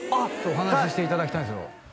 お話ししていただきたいんですよ